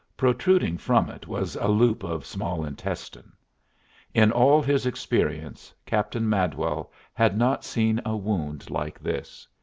Protruding from it was a loop of small intestine. In all his experience Captain Madwell had not seen a wound like this.